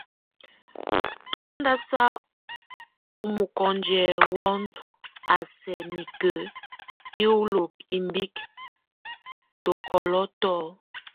Tu nóndasa o mɔkɔnjɛ wɔnd a sɛk mike yé hulek imbik, tokɔlɛ tó.